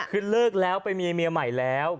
คือเลิกแล้วไปมีเมียใหม่แล้ว